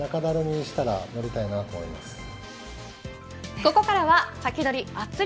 ここからはサキドリ！